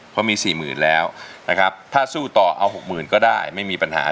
เพราะมีสี่หมื่นแล้วนะครับถ้าสู้ต่อเอาหกหมื่นก็ได้ไม่มีปัญหา